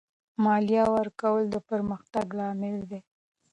مالیه ورکول د پرمختګ لامل دی.